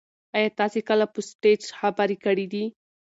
ایا تاسي کله په سټیج خبرې کړي دي؟